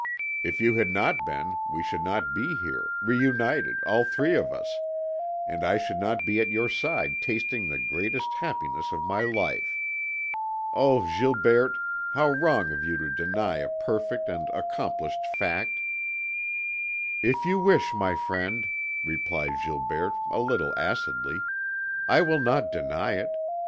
If you had not been we should not be here, reunited, all three of us, and I should not be at your side tasting the greatest happiness of my life. Oh, Gilberte, how wrong of you to deny a perfect and accomplished fact!" "If you wish, my friend," replied Gilberte, a little acidly, "I will not deny it.